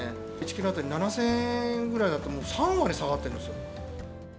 １キロ当たり７０００円ぐらいだったのが、３割下がってるんです